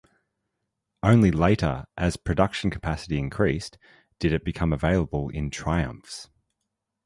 Only later, as production capacity increased, did it become available in Triumphs.